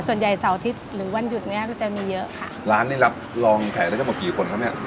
เสาร์อาทิตย์หรือวันหยุดเนี้ยก็จะมีเยอะค่ะร้านนี้รับรองขายได้ทั้งหมดกี่คนครับเนี้ย